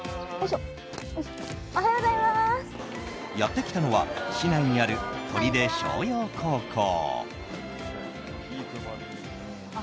やってきたのは市内にある取手松陽高校。